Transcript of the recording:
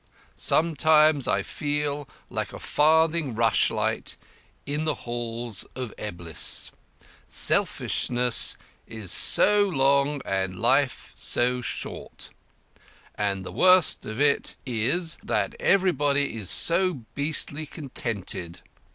Sometimes I feel like a farthing rushlight in the Hall of Eblis. Selfishness is so long and life so short. And the worst of it is that everybody is so beastly contented.